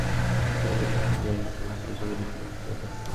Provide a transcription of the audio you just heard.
ট্রফির আলোটা আবার জ্বালাতে শুরু থেকেই আরামবাগের রক্ষণে হানা দেয় আবাহনী।